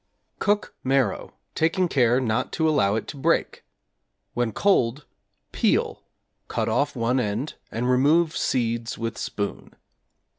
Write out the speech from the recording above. Cook marrow, taking care not to allow it to break; when cold, peel, cut off one end and remove seeds with spoon.